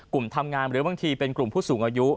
ทำงานหรือบางทีเป็นกลุ่มผู้สูงอายุ